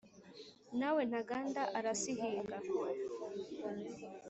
Na we Ntaganda arisihinga